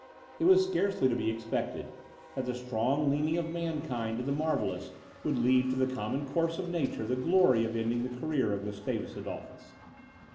It was scarcely to be expected, that the strong leaning of mankind to the marvellous, would leave to the common course of nature the glory of ending the career of Gustavus Adolphus.